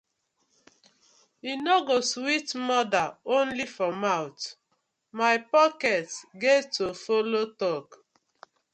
I no go sweet mother only for mouth, my pocket get to follo tok.